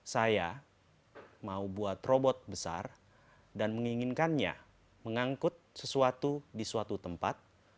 saya mau buat robot besar dan menginginkannya mengangkut sesuatu di suatu tempat